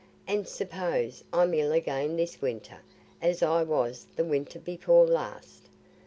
An' suppose I'm ill again this winter, as I was the winter before last?